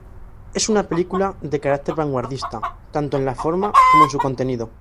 Es una película de carácter vanguardista, tanto en la forma como en su contenido.